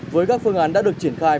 với các phương án đã được triển khai